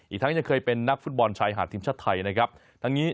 อีกทั้งยังเคยเป็นนักฟุตบอลชายหาดทีมชาติไทย